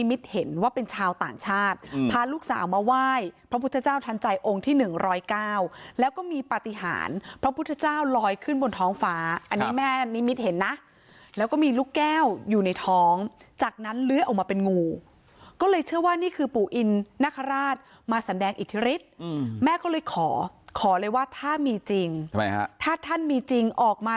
มิตเห็นว่าเป็นชาวต่างชาติพาลูกสาวมาไหว้พระพุทธเจ้าทันใจองค์ที่๑๐๙แล้วก็มีปฏิหารพระพุทธเจ้าลอยขึ้นบนท้องฟ้าอันนี้แม่นิมิตเห็นนะแล้วก็มีลูกแก้วอยู่ในท้องจากนั้นเลื้อยออกมาเป็นงูก็เลยเชื่อว่านี่คือปู่อินนคราชมาแสดงอิทธิฤทธิ์แม่ก็เลยขอขอเลยว่าถ้ามีจริงทำไมฮะถ้าท่านมีจริงออกมา